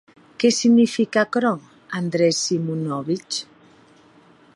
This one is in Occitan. Qué signifique aquerò, Andrés Simonovitch?